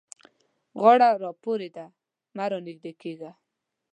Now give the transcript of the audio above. غاړه را پورې ده؛ مه رانږدې کېږه.